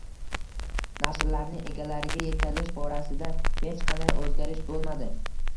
Nashrlarni egalariga yetkazish borasida hech qanday oʻzgarish boʻlmadi.